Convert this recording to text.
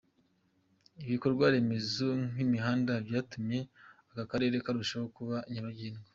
Ibikorwa remezo nk’imihanda byatumye aka karere karushaho kuba nyabagendwa.